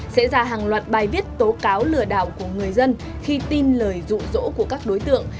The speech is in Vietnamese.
sẽ ra hàng loạt bài viết tố cáo lừa đảo của người dân khi tin lời rụ rỗ của các đối tượng